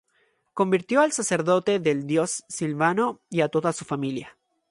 Convirtió al sacerdote del dios Silvano y a toda su familia.